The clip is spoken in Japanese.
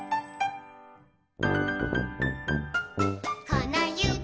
「このゆび